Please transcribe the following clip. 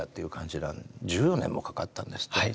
１４年もかかったんですってね。